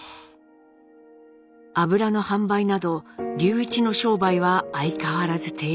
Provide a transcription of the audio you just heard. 油の販売など隆一の商売は相変わらず低調。